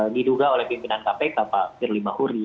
diduga oleh pimpinan kpk pak firly bahuri